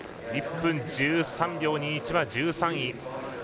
１分１３秒２１で１３位。